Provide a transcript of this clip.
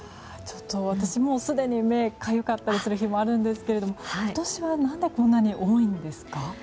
私、すでに目がかゆかったりする日もありますが今年は、何でこんなに多いんですか。